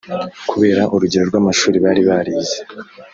kubera urugero rw’amashuri bari barize